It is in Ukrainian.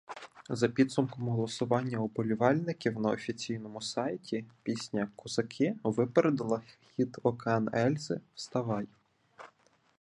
За підсумком голосування уболівальників на офіційному сайті пісня «Козаки» випередила хіт «Океан Ельзи» «Вставай!»